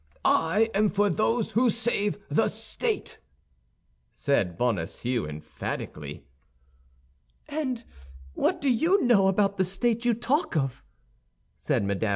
I am for those who save the state," said Bonacieux, emphatically. "And what do you know about the state you talk of?" said Mme.